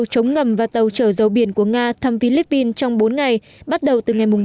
chiến đấu ngầm và tàu trở dấu biển của nga thăm philippines trong bốn ngày bắt đầu từ ngày ba